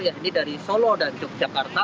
yaitu dari solo dan yogyakarta